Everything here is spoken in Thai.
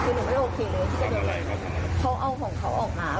คือหนูไม่โอเคเลยว่าที่จะโดนอะไรเขาเอาของเขาออกมา